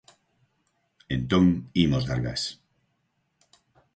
Entón, imos dar gas.